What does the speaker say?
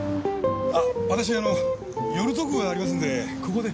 あ私あの寄るとこがありますんでここで。